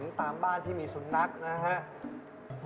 เป็นตามบ้านที่มีศุลค์นะครับ